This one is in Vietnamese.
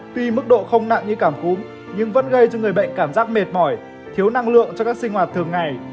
tuy mức độ không nặng như cảm cúm nhưng vẫn gây cho người bệnh cảm giác mệt mỏi thiếu năng lượng cho các sinh hoạt thường ngày